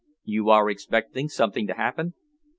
"You are expecting something to happen?"